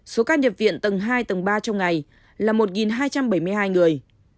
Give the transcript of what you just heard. số ca nhập viện tầng hai tầng ba trong ngày là một hai trăm bảy mươi hai người